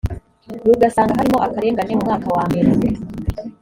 rugasanga harimo akarengane mu mwaka wa mbere